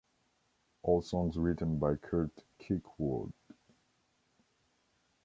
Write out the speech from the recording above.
All songs written by Curt Kirkwood.